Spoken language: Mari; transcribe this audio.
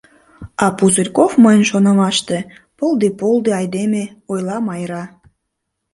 — А Пузырьков, мыйын шонымаште, пылди-полди айдеме, — ойла Майра.